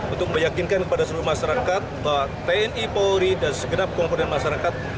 untuk meyakinkan kepada seluruh masyarakat bahwa tni polri dan segenap komponen masyarakat